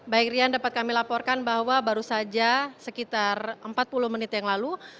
baik rian dapat kami laporkan bahwa baru saja sekitar empat puluh menit yang lalu